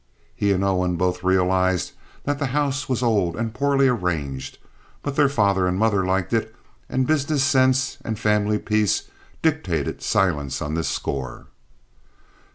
He and Owen both realized that the house was old and poorly arranged; but their father and mother liked it, and business sense and family peace dictated silence on this score.